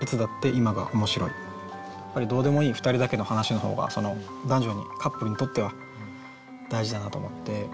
更にこれサビなんですけどやっぱりどうでもいい２人だけの話の方がその男女にカップルにとっては大事だなと思って。